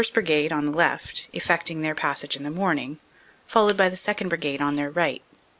Brigade, on the left, effecting their passage in the morning, followed by the 2nd. Brigade on their right.